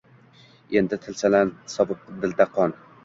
Endi tislanarlar, sovib dilda qon